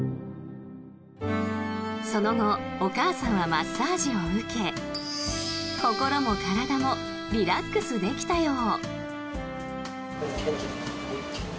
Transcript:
その後お母さんはマッサージを受け心も体もリラックスできたよう。